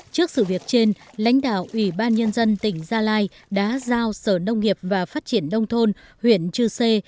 trước sự việc trên lãnh đạo ủy ban nhân dân tỉnh gia lai đã giao sở nông nghiệp và phát triển đông thôn huyện chư sê